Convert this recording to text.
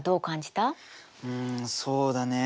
うんそうだね